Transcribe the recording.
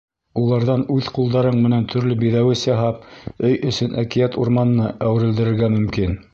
Уларҙан үҙ ҡулдарың менән төрлө биҙәүес яһап, өй эсен әкиәт урманына әүерелдерергә мөмкин.